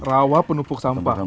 rawa penumpuk sampah